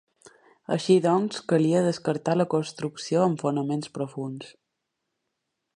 Així doncs, calia descartar la construcció amb fonaments profunds.